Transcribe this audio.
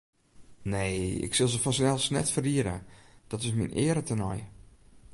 Nee, ik sil se fansels net ferriede, dat is myn eare tenei.